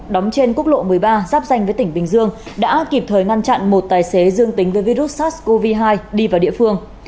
đóng trên quốc lộ một mươi ba giáp danh với tỉnh bình dương đã kịp thời ngăn chặn một tài xế dương tính với virus sars cov hai đi vào địa phương